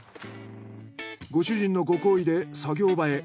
ご主人のご厚意で作業場へ。